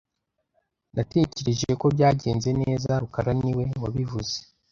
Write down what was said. Natekereje ko byagenze neza rukara niwe wabivuze